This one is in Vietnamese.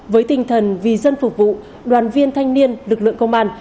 với tinh thần vì dân phục vụ đoàn viên thanh niên lực lượng công an